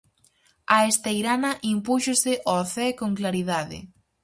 A Esteirana impúxose ao Cee con claridade.